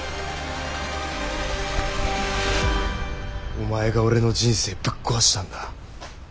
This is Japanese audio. お前が俺の人生ぶっ壊したんだ。